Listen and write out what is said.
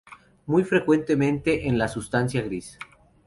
Muy frecuente en la sustancia gris.